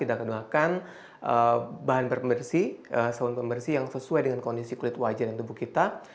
dan setelah beraktivitas kita keduakan bahan bersih yang sesuai dengan kondisi kulit wajah dan tubuh kita